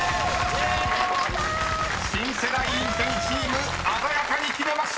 ［新世代インテリチーム鮮やかに決めました！］